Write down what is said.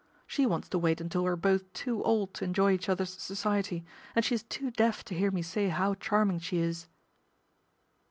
She wants to wait until we are both too old to enjoy each other's society, and she is too deaf to hear me say how charming she is."